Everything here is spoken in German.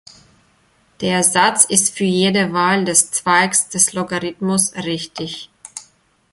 Der Satz ist für jede Wahl des Zweigs des Logarithmus richtig.